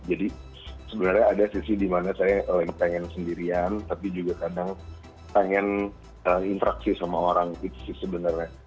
jadi sebenarnya ada sisi dimana saya lagi pengen sendirian tapi juga kadang pengen interaksi sama orang itu sih sebenarnya